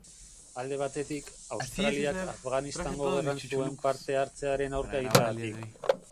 Alde batetik, Australiak Afganistango gerran zuen parte hartzearen aurka egiteagatik.